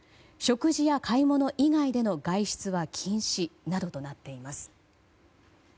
食事や買い物以外での外出は禁止などとなっています。